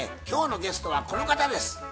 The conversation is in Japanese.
今日のゲストはこの方です。